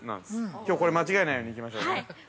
きょう、これ間違えないように行きましょうね。